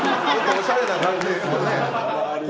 おしゃれな感じですよね。